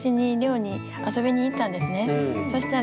そしたら。